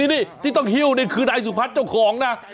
นี่ที่ต้องหิ้วนี่คือนายสุพัฒน์เจ้าของนะ